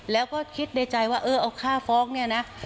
แล้วก็คิดในใจว่าเออเอาค่าฟ้องเนี่ยนะ